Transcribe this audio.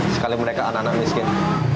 sekali mereka anak anak miskin